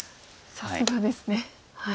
さすがですね。